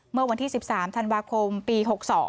เมื่อวันที่๑๓ธันวาคมปี๖๒